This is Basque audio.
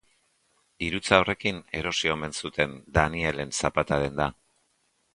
Dirutza horrekin erosi omen zuten Danielen zapata-denda.